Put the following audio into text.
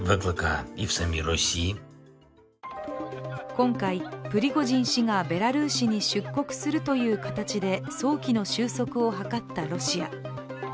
今回、プリゴジン氏がベラルーシに出国するという形で早期の収束を図ったロシア。